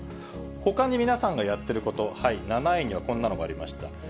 ほかに皆さんがやってること、７位にはこんなのがありました。